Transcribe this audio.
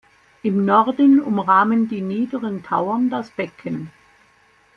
Im Norden umrahmen die Niederen Tauern das Becken.